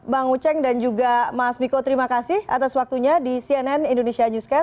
bang uceng dan juga mas miko terima kasih atas waktunya di cnn indonesia newscast